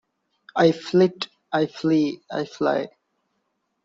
I flit, I flee, I fly.